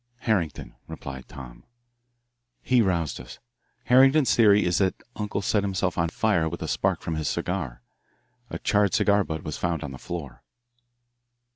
"Harrington," replied Tom. "He roused us. Harrington's theory is that uncle set himself on fire with a spark from his cigar a charred cigar butt was found on the floor."